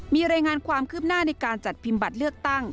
มีรายงานความคืบหน้าในการจัดพิมพ์บัตรเลือกตั้ง